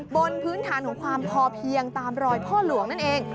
บนพื้นฐานของความพอเพียงตามรอยพ่อหลวงนั่นเอง